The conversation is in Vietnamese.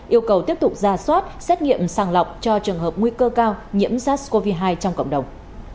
yêu cầu tiếp tục ra soát xét nghiệm sàng lọc cho trường hợp nguy cơ cao nhiễm sars cov hai trong cộng đồng